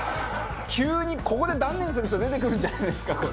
急にここで断念する人出てくるんじゃないですか？